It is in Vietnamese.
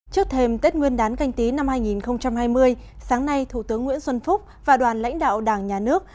trước thêm tết nguyên đán canh tí năm hai nghìn hai mươi sáng nay thủ tướng nguyễn xuân phúc và đoàn lãnh đạo đảng nhà nước